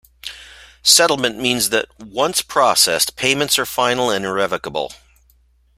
"Settlement" means that once processed, payments are final and irrevocable.